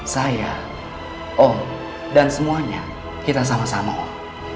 saya om dan semuanya kita sama sama om